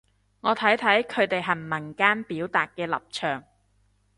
我睇睇佢哋行文間表達嘅立場